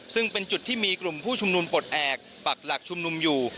ซึ่งเป็นจุดที่มีกลุ่มผู้ชุมนุมปลดแอบปักหลักชุมนุมอยู่